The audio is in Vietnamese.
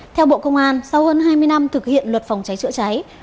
theo bộ công an sau hơn hai mươi năm thực hiện luật phòng cháy chữa cháy